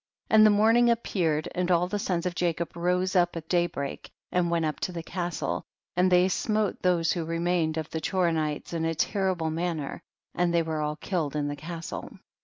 12. And the morning appeared, and all the sons of Jacob rose up at day break and went up to the castle, and they smote those who remained of the Chorinites in a terrible man ner, and they were all killed in the castle.